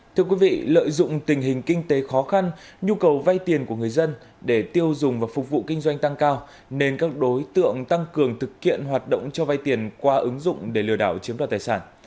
thưa quý vị lợi dụng tình hình kinh tế khó khăn nhu cầu vay tiền của người dân để tiêu dùng và phục vụ kinh doanh tăng cao nên các đối tượng tăng cường thực hiện hoạt động cho vay tiền qua ứng dụng để lừa đảo chiếm đoạt tài sản